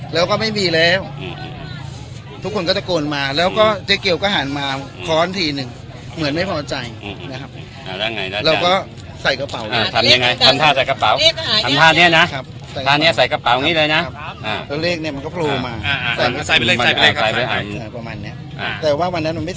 ทำถ้าใส่กระเป๋า